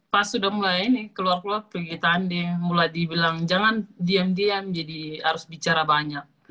pas sudah mulai ini keluar keluar pergi tanding mulai dibilang jangan diam diam jadi harus bicara banyak